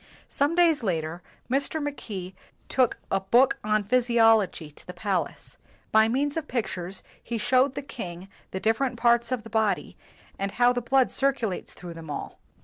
Some days later, Mr. Mackay took a book on physiology to the palace. By means of pictures, he showed the king the different parts of the body, and how the blood circu lates through them all.